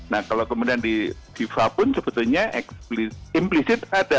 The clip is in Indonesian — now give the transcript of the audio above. nah kalau kemudian di viva pun sebetulnya implicit ada